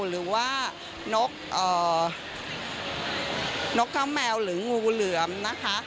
หรือว่านกเก้าแมวหรืองูเหลือมนะคะ